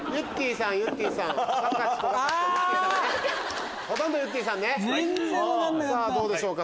さぁどうでしょうか？